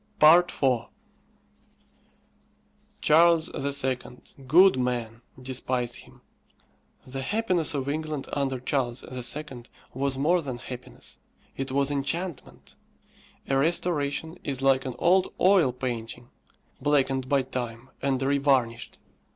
IV. Charles II., good man! despised him. The happiness of England under Charles II. was more than happiness, it was enchantment. A restoration is like an old oil painting, blackened by time, and revarnished.